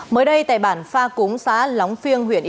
mới đây tại bản pha cúng xá lóng phiêng huyện yên tây